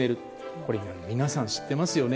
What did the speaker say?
これは皆さん知っていますよね。